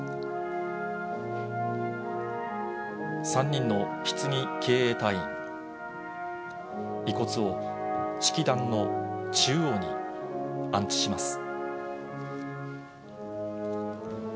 ３人の棺警衛隊員、遺骨を式壇の中央に安置します。